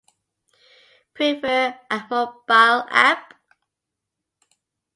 Prefer a mobile app?